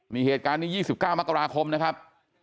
นี่เหตุการณ์นี้๒๙มกราคมนะครับ